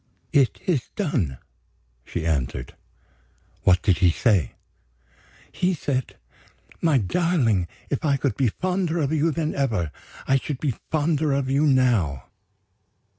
"It is done," she answered. "What did he say?" "He said: 'My darling, if I could be fonder of you than ever, I should be fonder of you now.